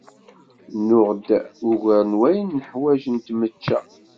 Nuɣ-d ugar n wayen neḥwaǧ n tmečča.